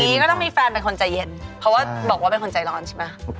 เพราะว่าบอกว่าเป็นคนใจร้อนใช่ไหม